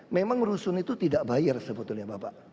memang rusun itu tidak bayar sebetulnya bapak